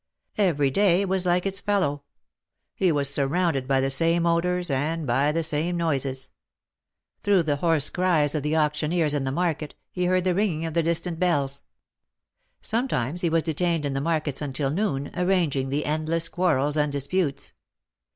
Every day was like its fellow. He was surrounded by the same odors, and by the same noises. Through the hoarse cries of the auctioneers in the market, he heard the ringing of the distant bells. Sometimes he was detained in the markets until noon, arranging the endless quarrels and disputes.